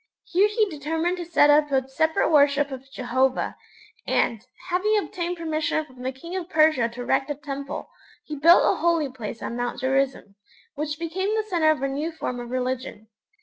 Here he determined to set up a separate worship of Jehovah, and, having obtained permission from the king of Persia to erect a Temple, he built a Holy Place on Mount Gerizim, which became the centre of a new form of religion.